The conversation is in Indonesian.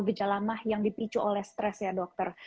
gejala ma yang dipicu oleh stress ya dokter